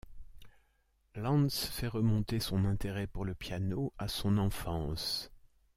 Lanz fait remonter son intérêt pour le piano à son enfance.